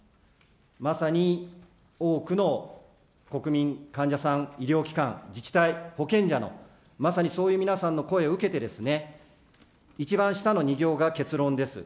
まさに多くの国民、患者さん、医療機関、自治体、保険者のまさにそういう皆さんの声を受けて、一番下の２行が結論です。